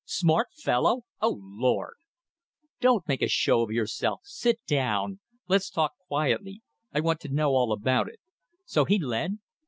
Smart fellow! O Lord!" "Don't make a show of yourself. Sit down. Let's talk quietly. I want to know all about it. So he led?"